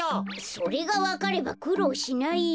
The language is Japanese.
それがわかればくろうしないよ。